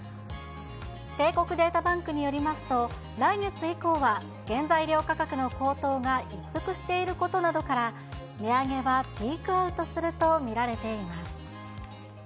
帝国データバンクによりますと、来月以降は原材料価格の高騰が一服していることなどから、値上げはピークアウトすると見られています。